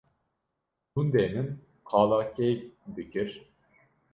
gundê min qala kê dikir